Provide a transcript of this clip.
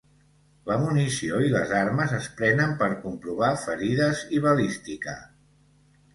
La munició i les armes es prenen per comprovar ferides i balística.